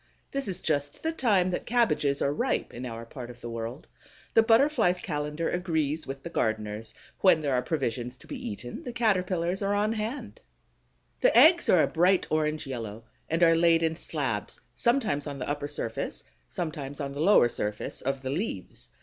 This is just the time that cabbages are ripe in our part of the world. The Butterfly's calendar agrees with the gardener's. When there are provisions to be eaten, the Caterpillars are on hand. The eggs are a bright orange yellow and are laid in slabs, sometimes on the upper surface, sometimes on the lower surface of the leaves.